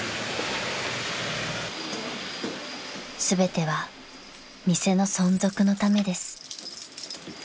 ［全ては店の存続のためです］